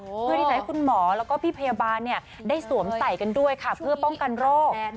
เพื่อที่จะให้คุณหมอแล้วก็พี่พยาบาลได้สวมใส่กันด้วยค่ะเพื่อป้องกันโรค